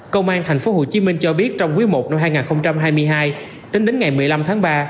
công an thành phố hồ chí minh cho biết trong quý i năm hai nghìn hai mươi hai tính đến ngày một mươi năm tháng ba